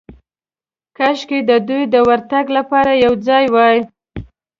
کاشکې د دوی د ورتګ لپاره یو ځای وای.